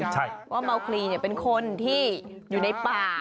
ว่าเมาคลีเนี่ยเป็นคนที่อยู่ในป่า